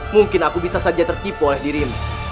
mungkin aku bisa saja tertipu oleh dirimu